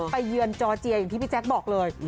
เยือนจอร์เจียอย่างที่พี่แจ๊คบอกเลย